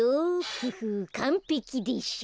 フフッかんぺきでしょ。